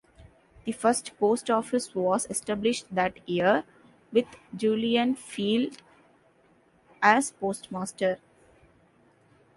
The first post office was established that year, with Julian Feild as postmaster.